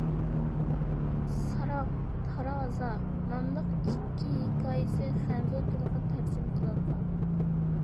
«ساراڭ» ، «تارازا» ناملىق ئىككى ھېكايىسى خەنزۇ تىلىغا تەرجىمە قىلىنغان.